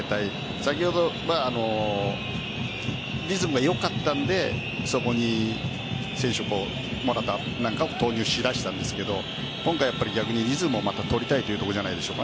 先ほどリズムがよかったのでそこに選手をモラタなんかを投入し出したんですが今回、リズムもまだ取りたいというところじゃないでしょうか。